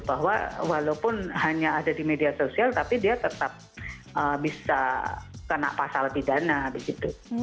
bahwa walaupun hanya ada di media sosial tapi dia tetap bisa kena pasal pidana begitu